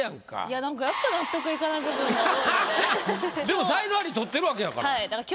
でも才能アリ取ってるわけやから。